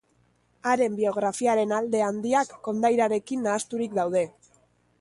Haren biografiaren alde handiak kondairarekin nahasturik daude.